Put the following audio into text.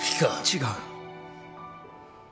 違う。